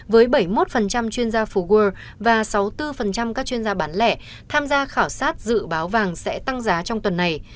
với bảy mươi một chuyên gia phố world và sáu mươi bốn các chuyên gia bán lẻ tham gia khảo sát dự báo vàng sẽ tăng giá trong tuần này